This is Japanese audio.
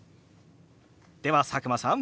では佐久間さん